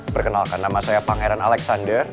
perkenalkan nama saya pangeran alexander